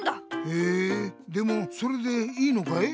へえでもそれでいいのかい？